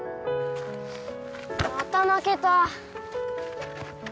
また負けた